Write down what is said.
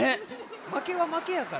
まけはまけやから。